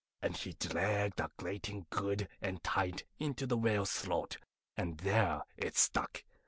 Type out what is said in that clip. and he dragged that grating good and tight into the Whale's throat, and there it stuck!